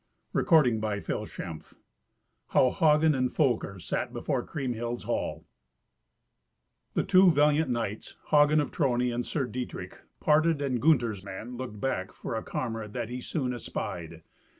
Twenty Ninth Adventure How Hagen and Folker Sat Before Kriemhild's Hall The two valiant knights, Hagen of Trony and Sir Dietrich, parted, and Gunther's man looked back for a comrade that he soon espied.